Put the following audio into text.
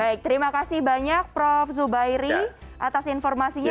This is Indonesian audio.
baik terima kasih banyak prof zubairi atas informasinya